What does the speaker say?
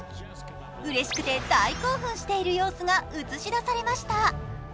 うれしくて大興奮している様子が映し出されました。